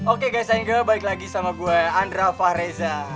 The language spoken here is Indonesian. oke guys saya ingin kembali lagi sama gue andra fahreza